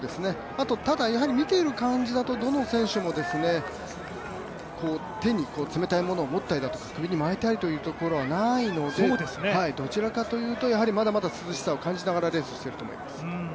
あと、見ている感じだとどの選手も手に冷たいものを持ったり首に巻いたりというところはないのでどちらかというとやはりまだまだ涼しさを感じながらレースをしていると思います。